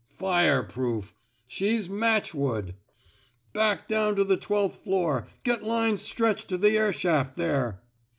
Fireproof! She's matchwood! Back down to the twelfth floor. Get lines stretched to the air shaft there."